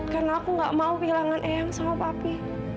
karena aku gak mau kehilangan eyang sama papi